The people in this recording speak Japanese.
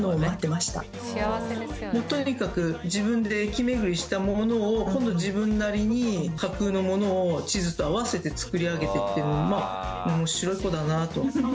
もうとにかく自分で駅巡りしたものを今度は自分なりに架空のものを地図と合わせて作り上げていってまあ。